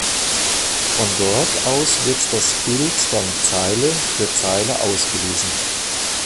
Von dort aus wird das Bild dann Zeile für Zeile ausgelesen.